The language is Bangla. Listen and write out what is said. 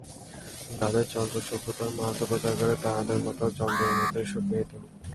যাহারা যন্ত্রসভ্যতার মাহাত্ম্য প্রচার করে, তাহাদের মতে যন্ত্রের মধ্যেই সুখ নিহিত।